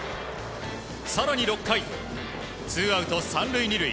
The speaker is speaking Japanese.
更に６回、ツーアウト３塁２塁。